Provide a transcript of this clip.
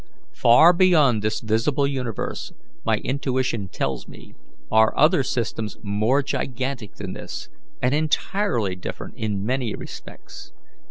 Far beyond this visible universe, my intuition tells me, are other systems more gigantic than this, and entirely different in many respects.